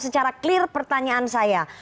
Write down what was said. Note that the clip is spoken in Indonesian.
secara clear pertanyaan saya